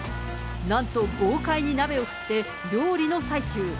なんと豪快に鍋を振って、料理の最中。